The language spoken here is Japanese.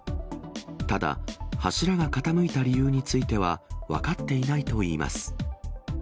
ただ、柱が傾いた理由については分かっていないといいます。